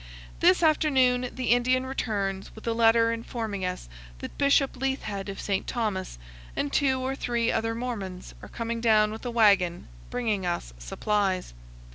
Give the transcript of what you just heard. This afternoon the Indian returns with a letter informing us that Bishop Leithhead of St. Thomas and two or three other Mormons are coming down with a wagon, bringing us supplies.